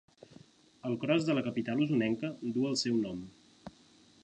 El cros de la capital osonenca duu el seu nom.